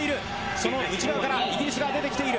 その内側からイギリスが出てきている。